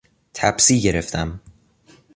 تپسی گرفتم.